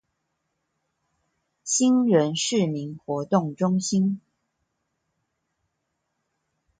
興仁市民活動中心